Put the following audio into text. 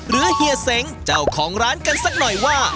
เฮียเสงเจ้าของร้านกันสักหน่อยว่า